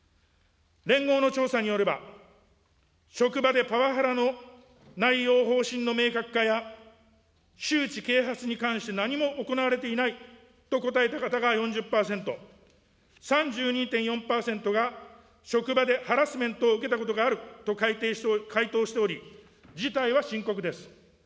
連合の調査によれば、職場でパワハラの内容・方針の明確化や、周知・啓発に関して何も行われていないと答えた方が４０％、３２．４％が、職場でハラスメントを受けたことがあると回答しており、事態は深刻です。